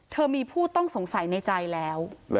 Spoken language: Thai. เธอมีผู้ต้องสงสัยในใจแล้ว